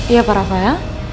iya pak rafael